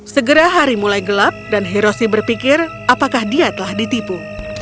segera hari mulai gelap dan hiroshi berpikir apakah dia telah ditipu